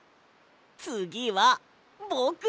つぎはぼく。